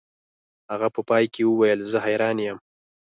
هغه په پای کې وویل زه حیران یم